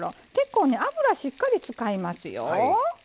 結構ね油しっかり使いますよ。